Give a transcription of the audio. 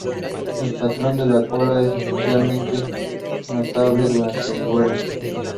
El patrón de la cola es especialmente notable durante el vuelo.